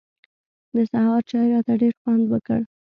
د سهار چای راته ډېر خوند وکړ.